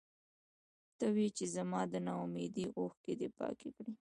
ته وې چې زما د نا اميدۍ اوښکې دې پاکې کړې.